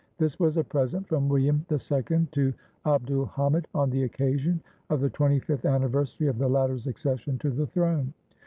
This was a present from William II to Abd ul Hamid on the occasion of the twenty fifth anniversary of the latter's accession to the throne.